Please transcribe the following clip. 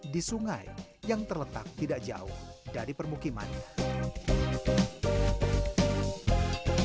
di sungai yang terletak tidak jauh dari permukimannya